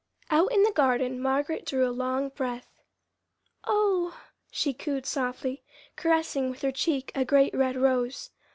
Out in the garden Margaret drew a long breath. "Oh!" she cooed softly, caressing with her cheek a great red rose.